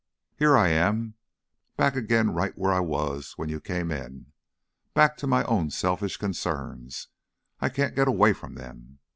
Here I am, back again right where I was when you came in; back to my own selfish concerns. I can't get away from them.